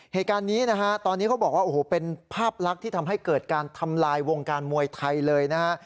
เหตุการณ์นี้นะฮะตอนนี้เขาบอกว่าโอ้โหเป็นภาพลักษณ์ที่ทำให้เกิดการทำลายวงการมวยไทยเลยนะฮะ